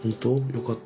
よかった。